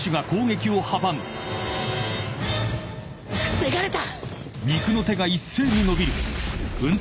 防がれた！